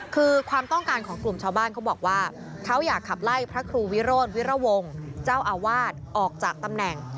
คือความต้องการของกลุ่มชาวบ้านเขาบอกว่าเขาอยากขับไล่พระครูวิโรธวิรวงศ์เจ้าอาวาสออกจากตำแหน่ง